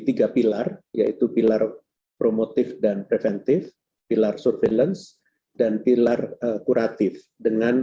tiga pilar yaitu pilar promotif dan preventif pilar surveillance dan pilar kuratif dengan